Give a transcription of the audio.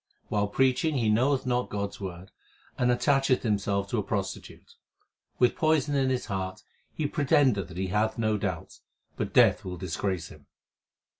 While preaching he knoweth not God s word, and attacheth himself to a prostitute. With poison in his heart he pretendeth that he hath no doubts, but Death will disgrace him.